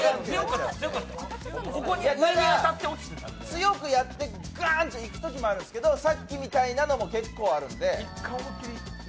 強くいってガンと行くときあるんですけど、さっきみたいなのも結構あるので。